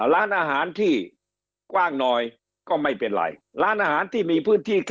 ร้านอาหารที่กว้างหน่อยก็ไม่เป็นไรร้านอาหารที่มีพื้นที่